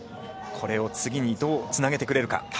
これを次にどうつなげてくれるか。